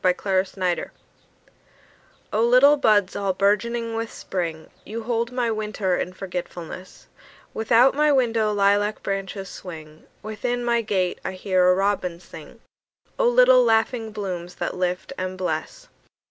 A Song in Spring O LITTLE buds all bourgeoning with Spring, You hold my winter in forgetfulness; Without my window lilac branches swing, Within my gate I hear a robin sing—O little laughing blooms that lift and bless!